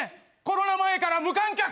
「コロナ前から無観客」